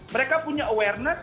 mereka punya awareness